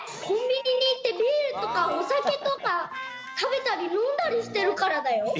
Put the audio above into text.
コンビニにいってビールとかおさけとかたべたりのんだりしてるからだよ。